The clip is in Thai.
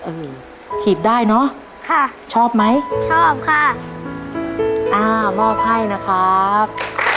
เออถีบได้เนอะค่ะชอบไหมชอบค่ะอ่ามอบให้นะครับ